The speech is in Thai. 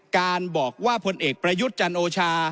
การบอกว่าพลเอกประยุทธ์จันโอชา